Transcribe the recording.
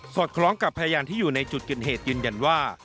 คล้องกับพยานที่อยู่ในจุดเกิดเหตุยืนยันว่า